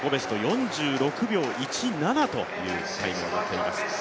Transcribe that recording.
４６秒１７というタイムを持っています。